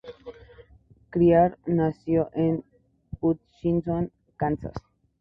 Clair nació en Hutchinson, Kansas.